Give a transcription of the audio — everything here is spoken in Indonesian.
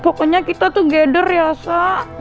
pokoknya kita together ya sa